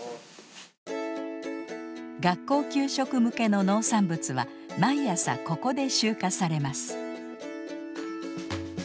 学校給食向けの農産物は毎朝ここで集荷されます。